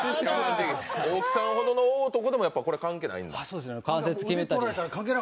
大木さんほどの大男でも関係ないんだ。